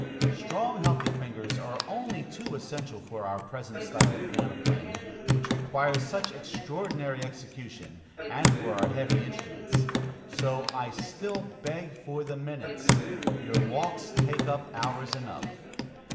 Strong, healthy fingers are only too essential for our present style of piano playing, which requires such extraordinary execution, and for our heavy instruments. So I still beg for the minutes: your walks take up hours enough.